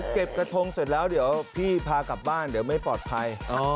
กระทงเสร็จแล้วเดี๋ยวพี่พากลับบ้านเดี๋ยวไม่ปลอดภัย